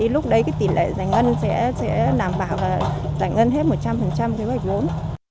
lúc đấy tỷ lệ giải ngân sẽ đảm bảo và giải ngân hết một trăm linh kế hoạch vốn